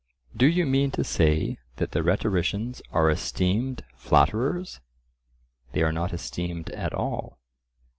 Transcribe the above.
"Do you mean to say that the rhetoricians are esteemed flatterers?" They are not esteemed at all.